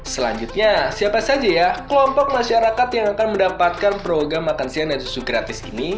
selanjutnya siapa saja ya kelompok masyarakat yang akan mendapatkan program makan siang dan susu gratis ini